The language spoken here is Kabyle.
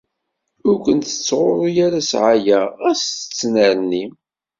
Ur ken-tettɣurru ara ssɛaya, ɣas tettnerni.